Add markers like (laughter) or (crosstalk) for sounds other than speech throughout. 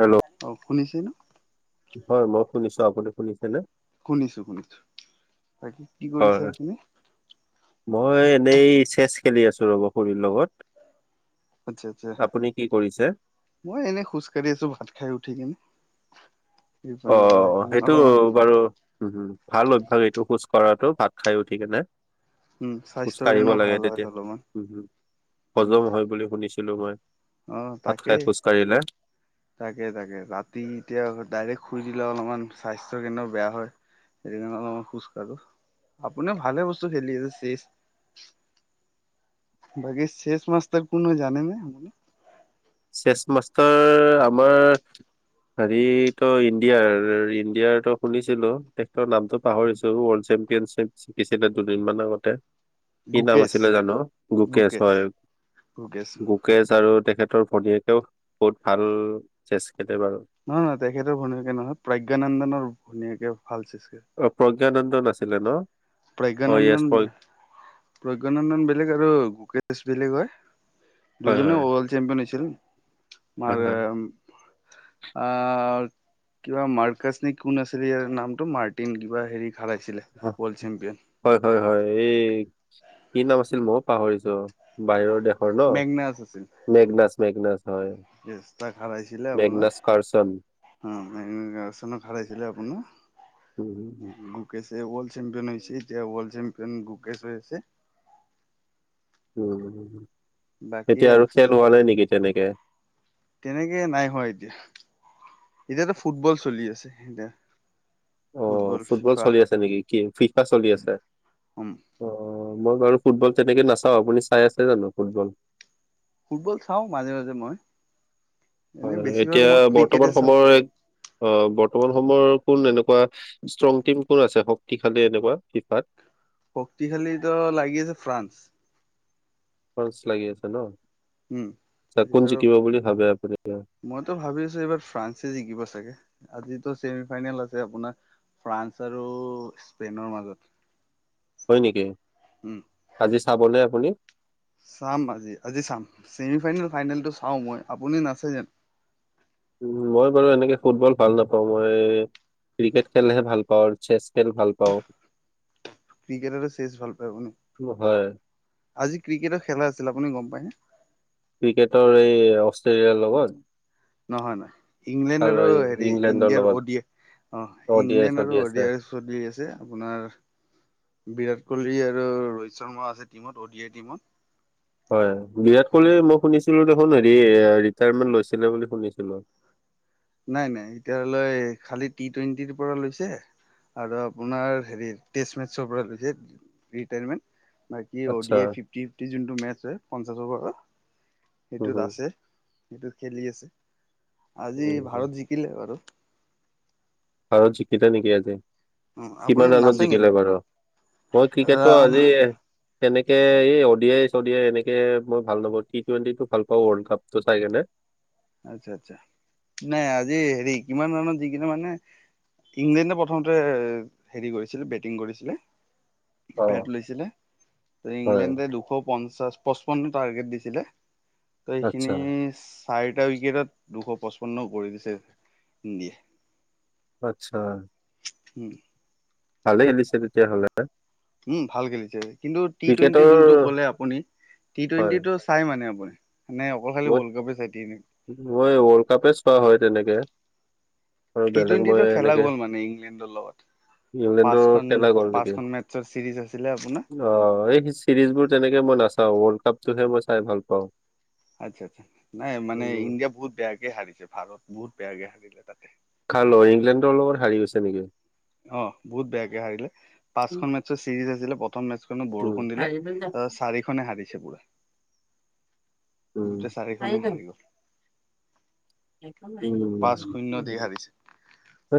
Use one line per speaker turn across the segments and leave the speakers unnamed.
Hello
অ শুনিছে ন?
হয় মই শুনিছো আপুনি শুনিছেনে?
শুনিছো শুনিছো। কি
হয়
কৰিছে
হয়
আপুনি
মই এনেই চেছ খেলি আছোঁ ৰ'ব খুৰীৰ লগত।
আচ্ছা আচ্ছা
আপুনি কি কৰিছে?
মই এনে খোজকাঢ়ি আছো ভাত খাই উঠি কিনে।
অ
এইপিনৰ পৰা
অ সেইটো
অলপমান
বাৰু উম হম ভাল অভ্যাস এইটো খোজ কঢ়াটো ভাত খাই উঠিকেনে।
উম
খোজ
স্বাস্থ্যৰ
কাঢ়িব
কাৰণেও
লাগে
ভাল হয়
তেতিয়া
অলপমান
উম হম হজম হয় বুলি শুনিছিলো মই।
আহ
ভাত খাই
তাকেই।
খোজ কাঢ়িলে।
তাকে তাকে ৰাতি এতিয়া ডাইৰেক্ট শুই দিলে অলপমান স্বাস্থ্যৰ কেনেও বেয়া হয়। সেইকাৰণে খোজকাঢ়ো আপুনি ভালে বস্তু খেলিছে বাকী চেছ মাষ্টাৰ কোনো জানে নে আপুনি?
চেচ মাষ্টৰ আমাৰ হেৰি তো ইণ্ডিয়াৰ ইণ্ডিয়াৰ তো শুনিছিলো তেখেতৰ নামটোো পাহৰিছো ৱৰ্ল্ড চেম্পিয়নশ্বিপ জিকিছিলে দুদিনমান আগতে। কি নাম
গুকেশ
আছিলে জানো গোকেশ
গুকেশ
হয়
গুকেশ
সুকেজ আৰু তেখেতৰ ভনীয়েকেও বহুত ভাল চেচ খেলেে বাৰু।
নহয় নহয় তেখেতৰ ভুনীয়াকে নহয় প্ৰজ্ঞানন্দনৰ ভুনীয়াকে ভাল চৃষ্ট
অ প্ৰজ্ঞানন্দন আছিলে ন! অ য়েছ
প্ৰজ্ঞানন্দন
প্ৰ
প্ৰজ্ঞানন্দন বেলেগ আৰু ভোকেশ বেলেগ হয়।
হয়
দুজনে
হয়
ৱৰ্ল্ড চোম্পিয়ন হৈছিল
হয়
ম অ। কিবা মাৰ্কাছ নে কোন আছিলে ইয়াৰ নামটো মাৰ্টিন কিবা হেৰি খালাইছিলে
হয়
ৱৰ্ল্ড চেম্পিয়ন।
হয় হয় হয়, এই কি নাম আছিল মই পাহৰিছো বাহিৰৰ দেশ ন
মেগনাছ
মেগনছ -মেগন হয়।
কেষ্টা খালাইছিলে
এগ কাৰচন
অ মোনত ভছিলে আপোনাৰ
উম
গ ৱৰ্ল্ড চেম্পিয়ন হৈছে যেতিয়া চেম্পিয়নুকেশ হৈছেছে। (unintelligible)
উমম
বাকী আৰুচ
তেনেকে?
তেনেকে নাই হোৱা এতিয়া এতিয়াতো ফুটবল চলি আছে এতিয়া
অ ফুটবল চলি আছে নেকি কি ফিফা চলি আছে?
উম
অ মই বাৰু ফুটবল তেনেকে নাচাওঁ আপুনি চাই আছে জানো ফুটবল
ফুটবল চাওঁ মাজে-মাজে মই। এনে
হয়
বেছিভাগ
এতিয়া
মই ক্ৰিকেটে
বৰ্তমান
চাওঁ
সময়ৰ অ বৰ্তমান সময়ৰ কোন এনেকুৱা ষ্ট্ৰং টিম কোন আছে শক্তিশালী এনেকোৱা ফিফাত?
শক্তিশালী ত লাগি আছে ফ্ৰান্স।
লাগি আছে ন।
উম
চাকোন
এইবাৰ
জিকিব বুলি ভাবে আপুনি?
মইতো ভাবি আছোঁ। এইবাৰ ফ্ৰান্সে জিকিব চাগে আজিতো চছেমি ফাইনেল আছে আপোনাৰ। ফ্ৰান্স আৰু স্পেইনৰ মাজত
হয় নেকি?
উম
আজি চাবনে আপুনি?
চাম আজি আজি চাম চছেমি ফাইনেল -ফাইনেলটো চাওঁ মই আপুনি নাচাই জানোঁ?
উম মই বাৰু এনেকে ফুটবল ভাল নাপাওঁ মই ক্ৰিকেট খেলহে ভাল পাওঁ, চেছ খেল ভাল পাওঁ।
থুক ক্ৰিকেট, চেচ ভাল পায় আপুনি।
উম, হয়,
আজি ক্ৰিকেটৰ খেলা আছিল আপুনি গম পায়নে?
ক্ৰিকেটৰ এই অষ্ট্ৰেলিয়াৰ লগত?
নহয় নহয় ইংলেণ্ড আৰু
এই
হেৰি
ইংলেণ্ডৰ
ইণ্ডিয়াৰ
লগত
অডিয় অ
অডিয়াই
ইংলেণ্ড
চলি
আৰু
আছে।
অডিয়াৰচ যত দি আছে আপোনাৰৰ বিৰাট কলি আৰু ৰোহিত শৰ্মা আছে টিমত অডি আই টিমত।
হয় বিৰাট কোহলি মই শুনিছিলো দেখোন হেৰি ৰিটায়াৰমেন্ট লৈছিলে বুলি শুনিছিলো-
নাই নাই এতিয় ধৰি লৈ খালি টি টুৱেণ্টিৰ পৰা লৈছে। আৰু আপোনাৰ হেৰি তেৰিয়েশ পৰা লৈছে ৰীতাইমেন বাকী অ
আচ্ছা,
ফিফটি ফিফটি যোনটো মেজ হয় পঞ্চাশ অভাৰৰ
উম,
সেইটোত আছে। সেইটোত খেলি আছে আজি
উম, উম,
ভাৰত জিকিলে বাৰু।
ভাৰত জিকিলে নেকি আজি?
উম আপুনি
কিমান ৰাণত
নাচে নি
জিকিলে বাৰু? মই ক্ৰিকেটটো আজি- সনেকে এই অদিয়াই-চদিয়াই এনেকে মই ভাল নাপওঁ টি টুৱেণ্টি টো ভাল পাওঁ ৱৰ্ল্ড কাপ টো চাই কেনে-
আচ্ছা আচ্ছা। নাই আজি হেৰি কিমান মানত জিকিলে মানে ইংলেণ্ডে প্ৰথমতে হেৰি কৰিছিলে বেটিং কৰিছিলে। বেট
অ'।
লৈছিলে
হয়
ইংলেণ্ডে দুশপ পঞ্চাছ পস্পনো টাৰ্গেট দিছিলে ট এইখিনি
আচ্ছা
এটা উইকেটত দুশ পঁচপন্ন কৰি দিছে ইণ্ডিয়াই।
আত্সাহ
উম
ভালে খেলিছে তেতিয়াহ'লে
উম ভাল খেলিছে। কিন্তু টি টুৱেণ্টি
ক্ৰিকেটৰ
যোনটো ক'লে আপুনি টি
হয়
টুৱেণ্টিটো চাই মানে আপুনি মানে অকল খালি
মই
ৱৰ্ল্ড কাপে চাই দিয় এনেকে
মই ৱৰ্ল্ড কাপে চোৱা হয়। তেনেকে আৰু
টি
বেলেগ মই
টুৱেণ্টিটো খেলা
এনেকে
গ'ল মানে ইংলেণ্ডৰ লগত।
ইংলেণ্ডৰ
পাঁচখন
খেলা গ'ল নেকি?
পাঁচখন মেটছৰ চিৰিজ আছিলে আপোনাৰ।
অ এই চিৰিজ বোৰ তেনেকে মই নাচাওঁ ৱৰ্ল্ড কাপটোহে মই চাই ভাল পাওঁ।
আচ্ছা আচ্ছা নাই মানে
উম,
ইণ্ডিয়া বহুত বেয়াকে হাৰিলে ভাৰত বহুত বেয়াকে হাৰিলে তাতে
কাৰ লগত ইংলেণ্ডৰ লগত হাৰি গৈছে নেকি
অ বহুত বেয়াকে হাৰিলে পাঁচখন মেছৰ চিৰিজ আছিলে প্ৰথম মেচ
উম,
বৰষুণ দিলে অ চাৰি খনে হাৰিছে পুৰা
উম।
গোটেই চাৰিখনে হাৰি গ'ল
একো নাই
পাঁচ শূন্য দি
(unintelligible)
হাৰিছে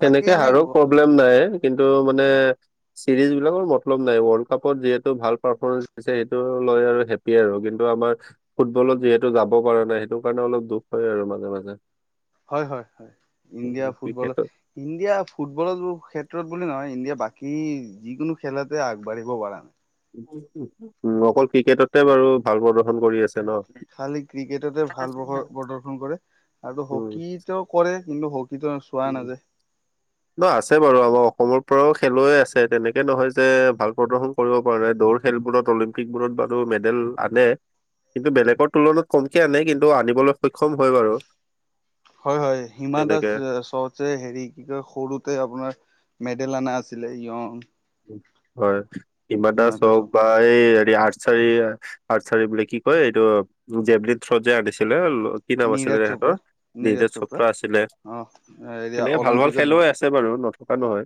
বাকী
তেনেকে
এনে
হাৰৰ প্ৰ প্ৰব্লেম নাই কিন্তু মানে চিৰিজ বিলাকৰ মতলব নাই ৱৰ্ল্ড কাপত যিহেতু ভাল পাৰফৰ্মেঞ্চ দিছে সেইটো লৈ আৰু হে হেপ্পী আৰু কিন্তু আমাৰ ফুটবলত যিহেতু যাব পৰা নাই সেইটো কাৰণে অলপ দুখ হয় আৰু মাজে মাজে
হয় হয় হয় ইণ্ডিয়া
উম,
ফুটবলত
ক্ৰিকেটত
ইণ্ডিয়া ফুটবলৰ ক্ষেত্ৰত বুলি নহয় ইণ্ডিয়া বাকী যিকোনো খেলতে আগবাঢ়িব পৰা নাই
উম অকল ক্ৰিকেটতে বাৰু ভাল প্ৰদৰ্শন কৰি আছে ন
খালী ক্ৰিকেটতে ভাল প্ৰদৰ্শন কৰে আৰু
উম
হকী তো কৰে কিন্তু হকী
উম ন আছে বাৰু আমাৰ অসমৰ পৰাও খেলুৱৈ আছে তেনেকে নহয় যে ভাল প্ৰদৰ্শন কৰিব পৰা নাই দৌৰ খেলবোৰত অলিম্পিকবোৰত বো মেডেল আনে কিন্তু বেলেগৰ তুলনাত কমকে আনে কিন্তু আনিবলৈ সক্ষম হয় বাৰু
হয় হয় হিমা দাস
তেনেকে
চ যে হেৰি কি কয় সৰুতে আপোনাৰ মেডেল অনা আছিলে য়ং
হয় হিমা দাস হওক বা এই হে আৰ্চাৰি আৰ্চাৰি বোলে কি কয় এইটো জেভলি থ্ৰজ যে আনিছিলে কি নাম আছিলে
নীৰাজ
তেহেতৰ
চোপ্ৰা নীৰাজ
নিৰজ চোপ্ৰা আছিলে
অ এয়া
তেনেকে ভাল ভাল
অলিম্পিকত
খেলুৱৈ আছে আছে বাৰু নথকা নহয়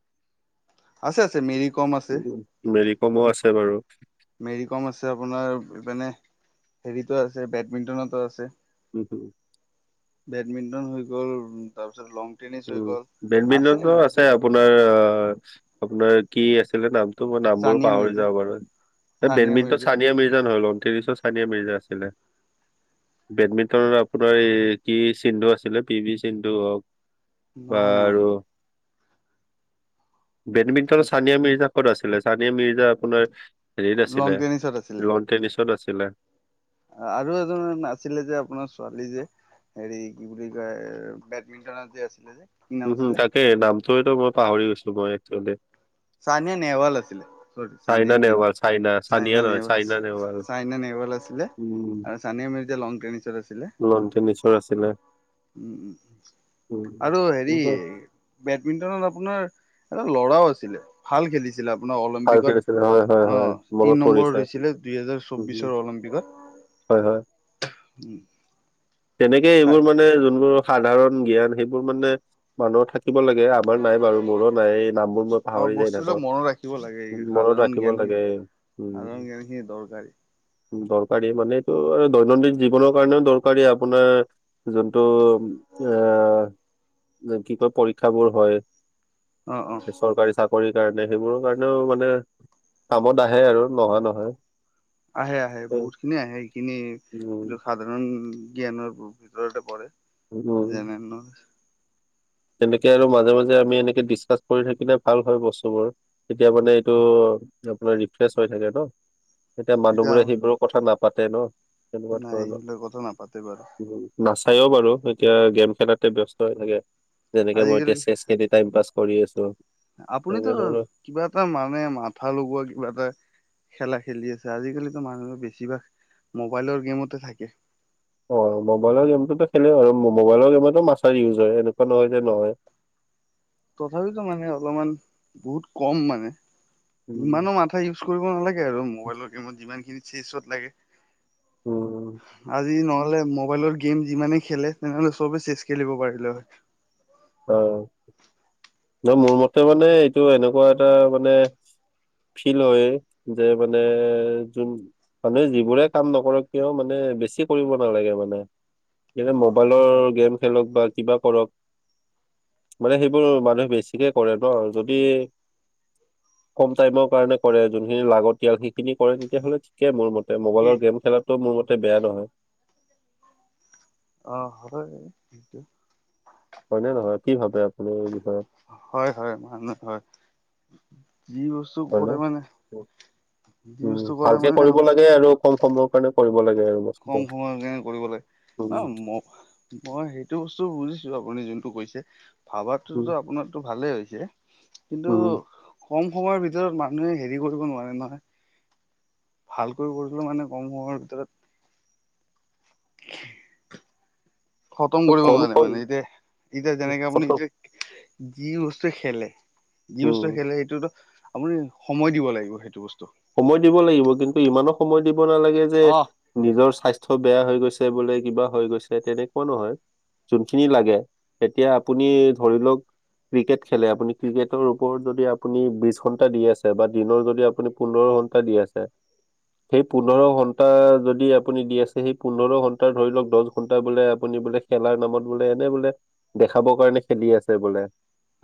আছে আছে মেৰিত
উম মেৰি কমো আছে বাৰু
মেৰি কম আছে আপোনাৰ এপিনে হেৰিতো আছে বেডমিণ্টনতো আছে
হুম হুম
বেডমিন্টন হৈ গ'ল তাৰপিছত লং টেনিছ হৈ গ'ল আছে গোটেই
আপোনাৰ অ আপোনাৰ কি আছিলে নাম ত মই নামবোৰ
চানিয়া
পাহৰি
মিৰ্জা
যাওঁ বাৰু
চানিয়া
বেডমিন্টন
মিৰ্জা
চানিয়া মিৰ্জানল ত্ৰিশত চানিয়া মিৰ্জা আছিলে বেডমিণ্টনত আপোনাৰ এই কি সিন্ধু আছিলে পি ভি সিন্ধু হওক
নহয়
বাৰু
নহয়
বেডমিণ্টন চানিয়া মিৰ্জা ক'ত আছিলে চানিয়া মিৰ্জা আপোনাৰ হেৰিত
লং
আছিলে
টেনিছত আছিলে
লন টেনিছত আছিলে
আৰু এজন আাছিলে যে আপোনাৰ ছোৱালী যে হেৰি কি বুলি কয় এ বেডমিন্টনত যে আছিলে যে কি নাম
উম হুম
আছিলে
তাকে নামটোৱেটো মই পাহৰি গৈছোঁ মই একচোৱেলি
চানিয়া নেহৱাল আছিলে চ
চাইনা
চানিয়া নে
নেহৱাল চাইনা
চানিয়া
নহয় চাইনা
নেহৱাল চাইনা নেহৱাল আছিলে
উম
আৰু চানিয়া মিৰ্জা লন টেনিছত আছিলে
লন টেনিছৰ আছিলে
উম উম আৰু হেৰি
তেনেকুৱা
বেডমিন্টনত আপোনাৰ এটা ল'ৰাও আছিলে ভাল খেলিছিল ছিল আপোনাৰ
ভাল খেলিছিলে হয় হয়
অলিম্পিকত অ
হয় মনত
তিন
পৰিছে
নম্বৰত হৈছিলে দুইহেজাৰ
উম হম
চৌবিশৰ অলিম্পিকত
হয় হয়
(inaudible)
তেনেকে
চাই
এইবোৰ মানে যোনবোৰ সাধাৰণ জ্ঞান সেইবোৰ মানে মানুহৰ থাকিব লাগে। আমাৰ নাই বাৰু, মোৰো নাই। নামবোৰ মই
অ
পাহৰি যাই
বস্তুবিলাক
থাকোঁ।
মনত ৰাখিব লাগে এই
মনত
সাধাৰণ
ৰাখিব
জ্ঞানখিনি
লাগে, উম।
সাধাৰণ জ্ঞানখিনি দৰকাৰী
দৰকাৰী মানে এইটো দৈনন্দিন জীৱনৰ কাৰণেও দৰকাৰী আপোনাৰ যোনটো আ, কি কয় পৰীক্ষাবোৰ হয়।
অ অ
চৰকাৰী চা কৰিৰ কাৰণে, সেইবোৰৰ কাৰণেও মানে কামত আহে আৰু নহা নহয়।
আহে আহে, বহুতখিনি আহে, সেইখিনি
উম
এইটো সাধাৰণ জ্ঞানৰ ভিতৰতে পঢ়ে
উম
যেনে
তেনেকে আৰু মাজে মাজে আমি এনেকে ডিচকাচ কৰি থাকিলে ভাল হয় বস্তুবোৰ। তেতিয়া মানে এইটো আপোনাৰ ৰিফ্ৰেচ হৈ থাকে ন'। এতিয়া মানুহবোৰে সেইবোৰৰ কথা নাপাতে ন' তেনেকুৱা
নাই সেইবিলাক কথা নাপাতে বাৰু
ধৰণৰ। নাচায়ও বাৰু, এতিয়া গেম খেলাতে ব্যস্ত হৈ থাকে যেনেকে মই এতিয়া
আজিকালি
চেচ খেলি টাইম পাছ কৰি আছোঁ।
আপুনিতো কিবা এটা মানে মাথা লগোৱা কিবা এটা খেলা খেলি আছে, আজিকালিতো মানুহে বেছিভাগ মোবাইলৰ গেমতে থাকে।
অ' মোবাইলৰ গেমতটোতো খেলে আৰু মবাইলৰ গেমতো মাছাৰ ইউজ হয়, এনেকুৱা নহয় যে নহয়।
তথাপিতো মানে অলপমান বহুত কম মানে,
উম
যিমানো মা (unintelligible) ইউজ কৰিব নালাগে আৰু মোবাইলৰ গেমত যিমানখিনত চেইছত লাগে।
উম
আজি নহ'লে মোবাইলৰ গেম যিমানে খেলে তেনেহ'লে চবে চেচ খেলিব পাৰিলে হয়।
অ'। ন' মোৰ মতে মানে এইটো এনেকুৱা এটা মানে ফিল হয় যে মানে যোন মানে যিবোৰে কাম নকৰক কিয় মানে বেছি কৰিব নালাগে মানে। যেনে
অ
মোবাইলৰ গেম খেলক বা কিবা কৰক মানে সেইবোৰ মানুহে বেছিকে কৰে ন' যদি কম টাইমৰ কাৰণে কৰে, যোনখিনি লাগতিয়াল সেইখিনি কৰে তেতিয়াহ'লে (unintelligible) মোৰ মতে
কি
মোবাইলৰ গেম খেলাটো মোৰ মতে বেয়া নহয়।
অ' হয় সেইটো।
হয়নে নহয়, কি ভাবে আপুনি এই বিষয়ে
হয় হয়, মানুহ হয়। যি বস্তু
হয় ন
কৰে মানে যি
উম,
বস্তু কৰে
ভালকে
মানে
কৰিব
আপোন
লাগে আৰু কম সময়ৰ কাৰণে কৰিব লাগে আৰু। বস্তুটো
কম সময়ৰ কাৰণে কৰিবলৈ
উম
(unintelligible) মই সেইটো বস্তু বুজিছোঁ আপুনি যোনটো কৈছে।
উম
ভাবাটোতো আপোনাৰটো ভালেই হৈছে কিন্তু
উম
কম সময়ৰ ভিতৰত মানুহে হেৰি কৰিব নোৱাৰে নহয়। ভালকৈ কৰিছিলোঁ মানে কম সময়ৰ ভিতৰত খতম
ত'
কৰিব
কম
নোৱাৰে
কম
মানে এতিয়া, এতিয়া যেনেকে আপুনি
ফটক
এতিয়া যি বস্তু খেলে, যি
উম
বস্তু খেলে সেইটোতো আপুনি সময় দিব লাগিব সেইটো বস্তু।
সময় দিব লাগিব কিন্তু ইমানো সময় দিব নালাগে যে
অ
নিজৰ স্বাস্থ্য বেয়া হৈ গৈছে, বোলে কিবা হৈ গৈছে তেনেকুৱা নহয়। যোনখিনি লাগে, তেতিয়া আপুনি ধৰি লওঁক ক্ৰিকেট খেলে, আপুনি ক্ৰিকেটৰ ওপৰত যদি আপুনি বিশ ঘন্টা দি আছে বা দিনৰ যদি আপুনি পোন্ধৰ ঘন্টা দি আছে সেই পোন্ধৰ ঘন্টা যদি আপুনি দি আছে সেই পোন্ধৰ ঘন্টা ধৰি লওক দছ ঘন্টা বোলে আপুনি বোলে খেলাৰ নামত বোলে এনে বোলে দেখাবৰ কাৰণে খেলি আছে বোলে।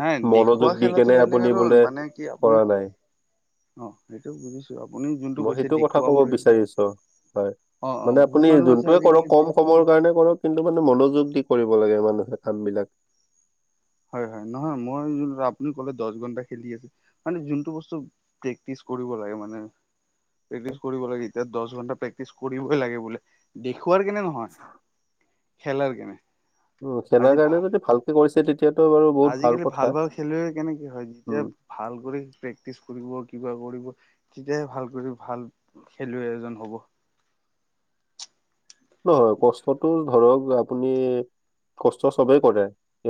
হে! দেখুওৱা
মনোযোগ দি
খেলাটো
কেনে
বেলেগ
আপুনি
আৰু
বোলে
মানে কি আপুনি
কৰা নাই
অ সেইটো বুজিছো। আপুনি যো
মই সেইটো কথা ক'ব বিচাৰিছো হয়
অ অ
মানে
বহুত
আপুনি
মানুহ আছে
যোনটোয়ে
আজিকালি
কৰক কম সময়ৰ কাৰণে কৰক কিন্তু মানে মনোযোগ দি কৰিব লাগে মানুহে কামবিলাক।
হয় হয়, নহয় মই যোনটো আপুনি কলে দছঘন্টা খেলি আছে। মানে যোনটো বস্তু প্ৰেক্টিচ কৰিব লাগে মানে প্ৰেক্টিচ কৰিব লাগে এতিয়া দছ ঘণ্টা প্ৰেক্টিচ কৰিবই লাগে বুলে, দেখুুৱাৰ কেনে হয় খেল আৰু কেনে?
উম
আজি
খেলাৰ কাৰণে
ভাল
যদি ভালকে কৰিছে তেতিয়াটো বাৰু বহুত
আজিকালি
কথা
ভাল - ভাল খেলুৱৈ কেনেকে হয়? যেতিয়া
উম
ভাল কৰি প্ৰেক্টিচ কৰিব, কিবা কৰিব তেতিয়াহে ভাল কৰি ভাল খেলুৱৈ এজন হ'ব।
নহয় কষ্টটো ধৰক আপুনি কষ্ট চবেই কৰে।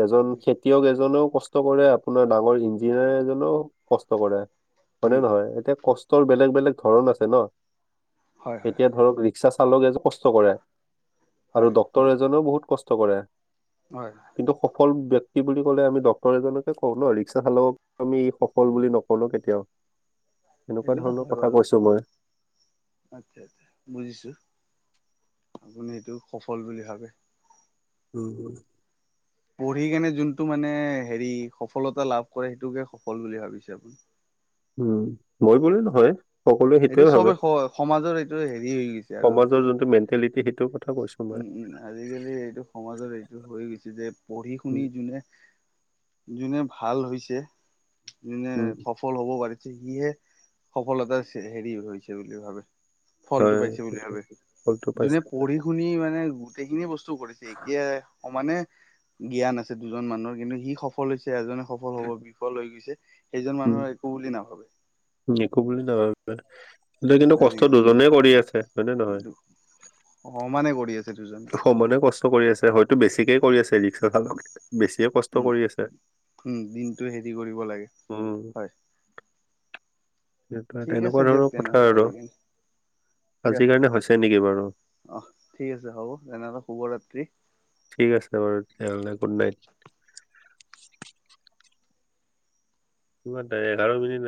এজন খেতিয়ক এজনেও কষ ট কৰে আপোনাৰ ডাঙৰ ইঞ্জিনিয়াৰ এজনেও কষ্ট কৰে হয় নে
উম
নহয়? এতিয়া কষ টৰ বেলেগ - বেলেগ ধৰণ আছে ন
হয় হয়
এতিয়া ধৰক ৰিক্সা চালকে যে কষ্ট কৰে আৰু
হয়
ডক্তৰ এজনেও বহুত কষ্ট কৰে
হয়।
কিন্তু সফল ব্যক্তি বুলি ক'লে আমি ডক্তৰ এজনকে কওঁ ন ৰিক্সা চালকক আমি সফল বুলি নকলো কেতিয়াও এনেকুৱা
সেইটোতো
ধৰণৰ
হয়
কথা
বাৰু
কৈছো মই।
আচ্ছা আচ্ছা বুজিছোঁ, আপুনি এইটো সফল বুলি ভাবে।
উম হুম।
পঢ়ি কেনে যোনটো মানে হেৰি সফলতা লাভ কৰে সেইটোকে সফল বুলি ভাবিছে আপুনি?
উম, মই বুলি নহয় সকলোৱে সেইটোৱে
এইটো
ভাবে,
চবে সমাজৰ এইটো হেৰি হৈ গৈছে আৰু
সমাজৰ যোনটো মেণ্টেলিটি সেইটোৰ কথা কৈছে।
উম উম, আজিকালি এইটো সমাজৰ এইটো হৈ গৈছে যে পঢ়ি - শুনি
উম
যোনে যোনে ভাল হৈছে, যোনে
উম
সফ ফল হ'ব পাৰিছে সিহে সফলতাৰ হেৰি হৈছে বুলি ভাবে। ফলটো
হয়
পাইছে বুলি
সেইটোৱে
ভাবে,
ফলটো
যোনে
পাইছে
পঢ়ি শুনি মানে গোটেইখিনি বস্তু কৰিছে এতিয়া সমানে জ্ঞান আছে দুজন মানুহৰ কিন্তু সি সফল হৈছে এজনে সফল হব বিফল হৈ গৈছে সেইজন
উম
মানুহৰ একো বুলি নাভাবে।
(inaudible) দুই দিনতো কষ্ট
আজিকালি
দুজনেই কৰি আছে হয় নে? নহয়
সমানে কৰি আছে দুজন।
সমানে কষ্ট কৰি আছে হয়তো বেছিকে কৰি আছে ৰিক্সা চালকে, বেছিয়ে কষ্ট
উম
কৰি আছে।
উম দিনটো হেৰি কৰিব লাগে
উম।
হয়
সেই
ঠিক আছে
তেনেকুৱা
দিয়ক
ধৰণৰ কথা
তেনেহ'লে
আৰু
আজিকালি দিয়ক
আজিৰ কাৰণে হৈছে নেকি বাৰু?
অহ ঠিক আছে হ'ব তেনেহ'লে শুভ ৰাত্ৰি।
ঠিক আছে বাৰু তেতিয়াহ'লে গুড নাইট। কিমানটা এঘাৰ বাজিলে।